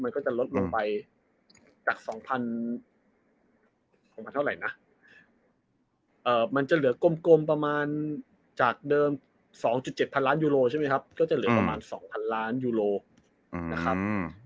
มันก็จะลดลงไปจาก๒๐๐เท่าไหร่นะมันจะเหลือกลมประมาณจากเดิม๒๗พันล้านยูโรใช่ไหมครับก็จะเหลือประมาณ๒๐๐ล้านยูโรนะครับ